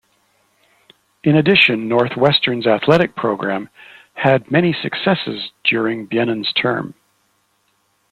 In addition, Northwestern's athletic program had many successes during Bienen's term.